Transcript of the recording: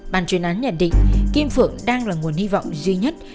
bàn chuyên án nhận định kim phượng đang là nguồn hy vọng duy nhất